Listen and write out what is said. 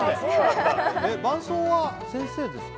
伴奏は先生ですか。